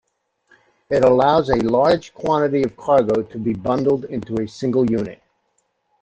It allows a large quantity of cargo to be bundled into a single unit.